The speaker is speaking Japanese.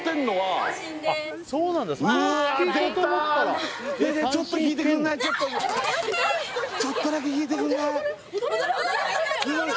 うわでたちょっとだけ弾いてくんない？